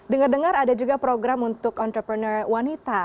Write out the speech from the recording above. dengar dengar ada juga program untuk entrepreneur wanita